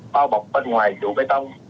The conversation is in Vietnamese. bao bọc bên ngoài trụ bê tông